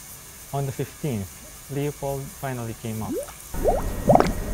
On the fifteenth, Leopold finally came up.